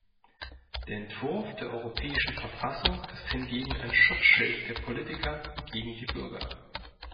Der Entwurf der europäischen Verfassung ist hingegen ein Schutzschild der Politiker gegen die Bürger.